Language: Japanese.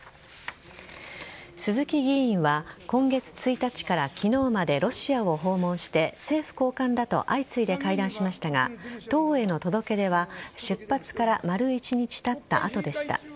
鈴木議員は今月１日から昨日までロシアを訪問して政府高官らと相次いで会談しましたが党への届け出は出発から丸一日たった後でした。